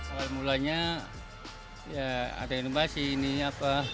awal mulanya ya ada inovasi ini apa